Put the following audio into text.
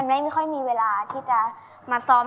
ไม่ค่อยมีเวลาที่จะมาซ้อม